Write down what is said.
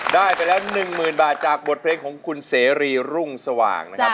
ได้ไปแล้ว๑๐๐๐บาทจากบทเพลงของคุณเสรีรุ่งสว่างนะครับ